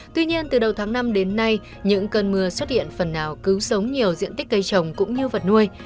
tuy nhiên từ đầu tháng năm đến nay những cơn mưa xuất hiện phần nào cứu sống nhiều diện tích cây trồng cũng như vật nuôi